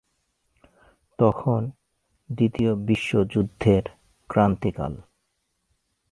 তখন দ্বিতীয় বিশ্বযুদ্ধের ক্রান্তিকাল।